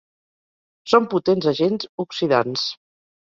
Són potents agents oxidants.